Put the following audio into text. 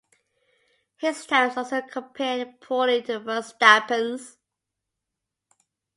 His times also compared poorly to Verstappen's.